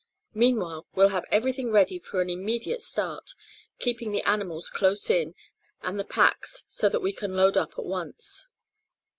Meanwhile we'll have everything ready for an immediate start, keeping the animals close in, and the packs, so that we can load up at once."